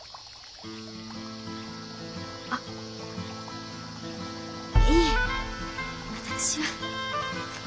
あっいえ私は。